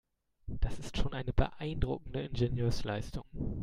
Das ist schon eine beeindruckende Ingenieursleistung.